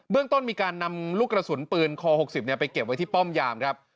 ต้นมีการนำลูกกระสุนปืนคอ๖๐ไปเก็บไว้ที่ป้อมยามครับ